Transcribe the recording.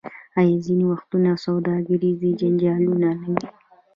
آیا ځینې وختونه سوداګریز جنجالونه نه وي؟